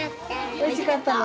おいしかったの。